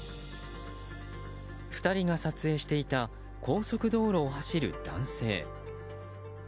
２人が撮影していた高速道路を走る男性。